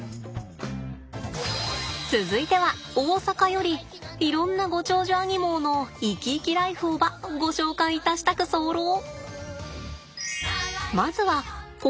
続いては大阪よりいろんなご長寿アニモーの生き生きライフをばご紹介いたしたくそうろう！